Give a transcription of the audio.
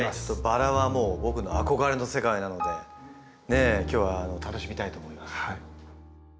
バラは僕の憧れの世界なので今日は楽しみたいと思います。